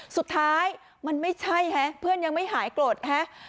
สุดท้ายมันไม่ใช่ฮะเพื่อนยังไม่หายโกรธฮะ